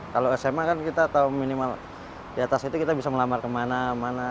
kalau sma kan kita tahu minimal di atas itu kita bisa melamar kemana mana